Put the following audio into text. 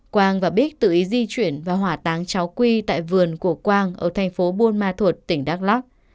quang và bích tự ý di chuyển và hỏa táng cháu quy tại vườn của quang ở thành phố buôn ma thuột tỉnh đắk lắc